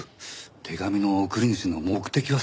手紙の送り主の目的はそれか。